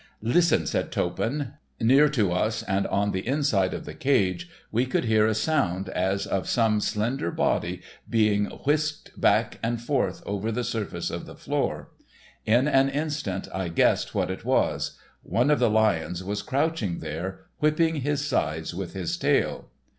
"Listen," said Toppan. Near to us, and on the inside of the cage, we could hear a sound as of some slender body being whisked back and forth over the surface of the floor. In an instant I guessed what it was; one of the lions was crouched there, whipping his sides with his tail.